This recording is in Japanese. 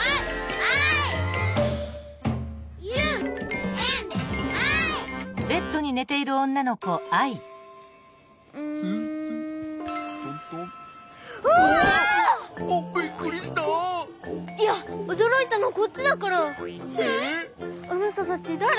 あなたたちだれ？